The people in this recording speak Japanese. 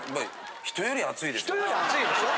人より暑いでしょ？